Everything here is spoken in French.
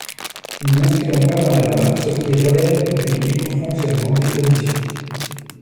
Nous n’inscrirons pas dans la loi ce qui relève du libre fonctionnement des commissions.